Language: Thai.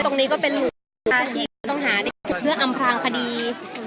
ตรงนี้ก็เป็นหลุมนะคะที่ผู้ต้องหาได้เพื่ออำพลางคดี